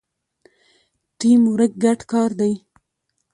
ټیم ورک ګډ کار دی